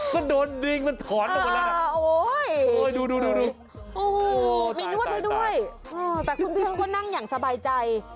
ก็โดนยิงมันถอนไปหมดแล้วนะดูโอ้โหมีนวดให้ด้วยแต่คุณพี่เขาก็นั่งอย่างสบายใจ